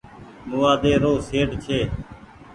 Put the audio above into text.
موآدي رو سيٽ ڇي۔